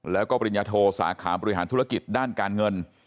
แล้วก็ปริญญาโทสาขาบริหารธุรกิจด้านการเงิน